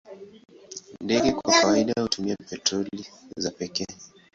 Ndege kwa kawaida hutumia petroli za pekee.